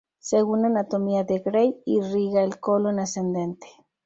Según Anatomía de Gray, irriga el colon ascendente.